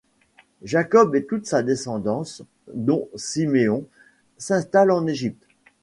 Jacob et toute sa descendance, dont Siméon, s'installent en Égypte.